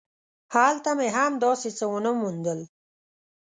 هلته مې هم داسې څه ونه موندل.